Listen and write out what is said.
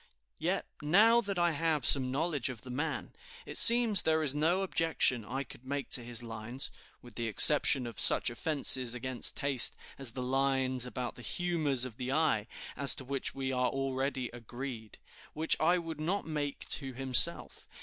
"Yet, now that I have some knowledge of the man, it seems there is no objection I could make to his lines (with the exception of such offenses against taste as the lines about the humors of the eye, as to which we are already agreed), which I would not make to himself.